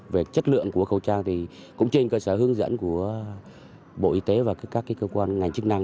về chất lượng của khẩu trang thì cũng trên cơ sở hướng dẫn của bộ y tế và các cơ quan ngành chức năng